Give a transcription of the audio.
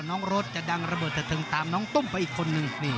น้องรถจะดังระเบิดจะตึงตามน้องตุ้มไปอีกคนนึง